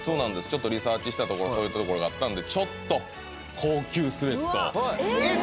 ちょっとリサーチしたところそういったところがあったんでちょっと高級スウェットをえっ